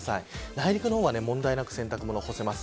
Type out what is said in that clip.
内陸の方は問題なく洗濯物干せます。